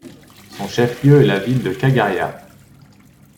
Son chef-lieu est la ville de Khagaria.